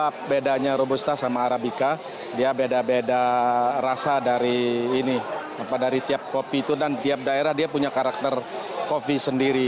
karena bedanya robusta sama arabica dia beda beda rasa dari ini dari tiap kopi itu dan tiap daerah dia punya karakter kopi sendiri